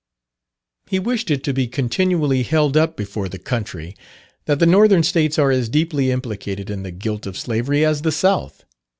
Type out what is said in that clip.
He wished it to be continually held up before the country, that the northern States are as deeply implicated in the guilt of slavery as the South.